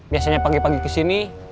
biasanya pagi pagi kesini